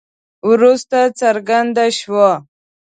وروسته څرګنده شوه.